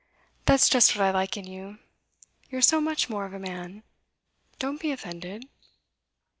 'That's just what I like in you. You're so much more of a man. Don't be offended.